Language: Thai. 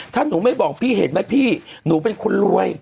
ถ้าหนูไม่บอกพี่เห็นไหมพี่หนูเป็นคนรวย